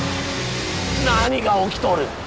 何が起きとる！？